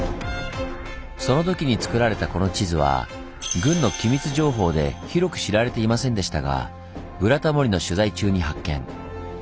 その時に作られたこの地図は軍の機密情報で広く知られていませんでしたが「ブラタモリ」の取材中に発見。